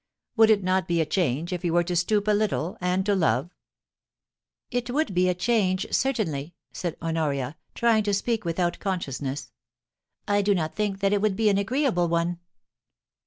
Would it not be a change if you were to stoop a little, and to love '' It would be a change certainly,' said Honoria, trying to speak without consciousness. * I do not think that it would be an agreeable one.'